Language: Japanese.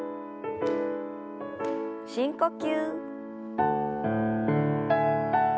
深呼吸。